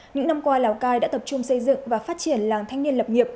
những năm qua lào cai đã tập trung xây dựng và phát triển làng thanh niên lập nghiệp